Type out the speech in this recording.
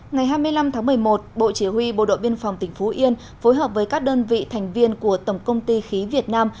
ngày hai mươi năm tháng một mươi một bộ chỉ huy bộ đội biên phòng tỉnh phú yên phối hợp với các đơn vị thành viên của tổng công ty khí việt nam